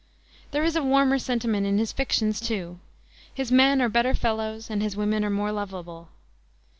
There is a warmer sentiment in his fictions, too; his men are better fellows and his women are more lovable.